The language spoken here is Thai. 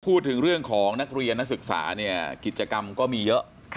พูดถึงเรื่องของนักเรียนนักศึกษาเนี่ยกิจกรรมก็มีเยอะ